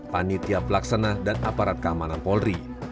panitia pelaksana dan aparat keamanan polri